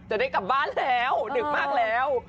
จะได้กลับบ้านแล้วดึกมากแล้ว